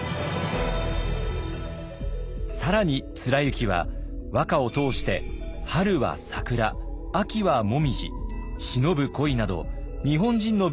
更に貫之は和歌を通して「春は桜」「秋は紅葉」「忍ぶ恋」など日本人の美意識を確立します。